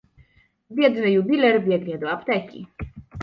Biedny jubiler biegnie do apteki.